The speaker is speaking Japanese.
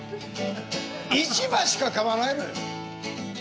１枚しか買わないのよ。